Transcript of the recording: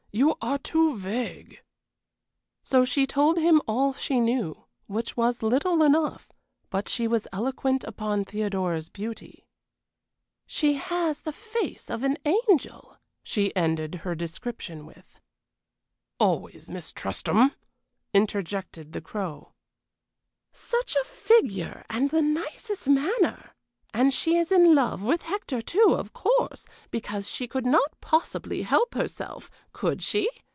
You are too vague!" So she told him all she knew which was little enough; but she was eloquent upon Theodora's beauty. "She has the face of an angel," she ended her description with. "Always mistrust 'em," interjected the Crow. "Such a figure and the nicest manner, and she is in love with Hector, too, of course because she could not possibly help herself could she?